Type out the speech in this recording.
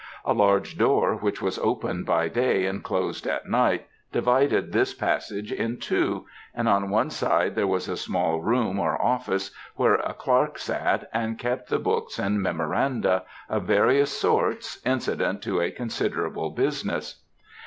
A large door, which was open by day and closed at night, divided this passage in two, and on one side there was a small room or office, where a clerk sat and kept the books and memoranda, of various sorts, incident to a considerable business.